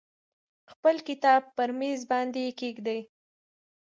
خپل کتاب پر میز باندې کیږدئ.